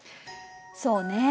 そうね。